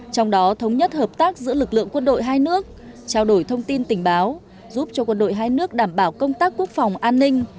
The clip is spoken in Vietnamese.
trong đó thống nhất hợp tác giữa lực lượng quân đội hai nước trao đổi thông tin tình báo giúp cho quân đội hai nước đảm bảo công tác quốc phòng an ninh